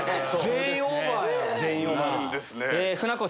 全員オーバーです。